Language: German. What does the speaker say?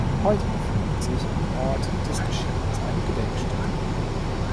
Heute befindet sich am Ort des Geschehens eine Gedenkstätte.